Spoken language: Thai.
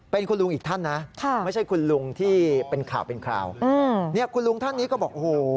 เป็นคุณลุงอีกท่านนะไม่ใช่คุณลุงที่เป็นข่าวเป็นคราวอืมเนี่ยคุณลุงท่านนี้ก็บอกโอ้โห